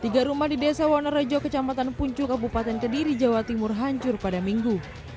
tiga rumah di desa wonorejo kecamatan puncu kabupaten kediri jawa timur hancur pada minggu